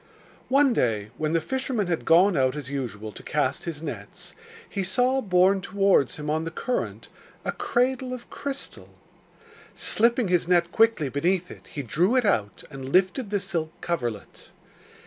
One day, when the fisherman had gone out as usual to cast his nets, he saw borne towards him on the current a cradle of crystal. Slipping his net quickly beneath it he drew it out and lifted the silk coverlet.